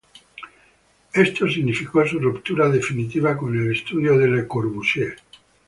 Esto significó su ruptura definitiva con el estudio de Le Corbusier.